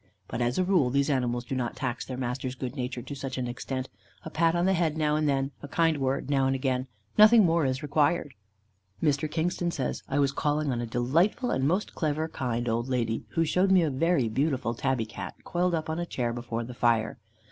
But, as a rule, these animals do not tax their masters' good nature to such an extent: a pat on the head now and then, a kind word now and again, nothing more is required. Mr. Kingston says: "I was calling on a delightful and most clever kind old lady, who showed me a very beautiful Tabby Cat, coiled up on a chair before the fire.